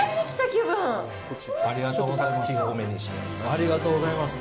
ありがとうございます。